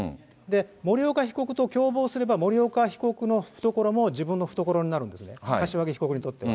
森岡被告と共謀すれば、森岡被告の懐も自分の懐になるんですね、柏木被告にとっては。